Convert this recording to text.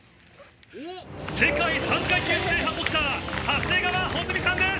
世界３階級制覇ボクサー、長谷川穂積さんです。